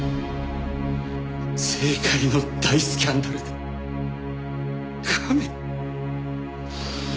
政界の大スキャンダルでカメ。